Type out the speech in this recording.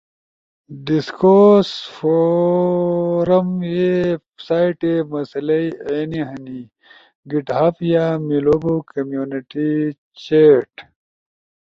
ڈسکورس فورزم ویس سائٹے مسلئی اینی ہنے گٹ ہب یا میلو بو کمینونیٹی چیٹ۔